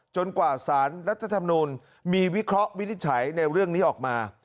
กว่าสารรัฐธรรมนูลมีวิเคราะห์วินิจฉัยในเรื่องนี้ออกมา